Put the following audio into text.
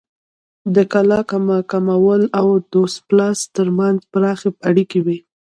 د کلاکمول او دوس پیلاس ترمنځ پراخې اړیکې وې